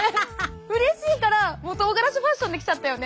うれしいからもうとうがらしファッションで来ちゃったよね。